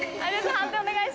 判定お願いします。